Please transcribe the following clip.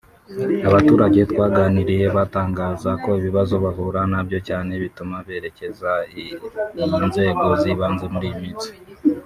Abaturage twaganiriye batangaza ko ibibazo bahura na byo cyane bituma berekeza iy’inzego z’ibanze buri munsi